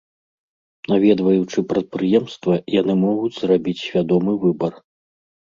Наведваючы прадпрыемства, яны могуць зрабіць свядомы выбар.